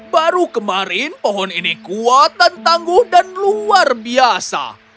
baru kemarin pohon ini kuat dan tangguh dan luar biasa